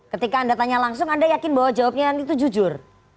ketika anda tanya langsung anda yakin bahwa jawabnya itu jujur